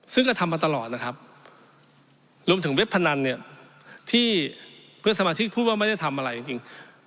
ซึ่งก็ทำมาตลอดนะครับรวมถึงเว็บพนันเนี่ยที่เพื่อนสมาชิกพูดว่าไม่ได้ทำอะไรจริง